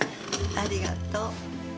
ありがとう。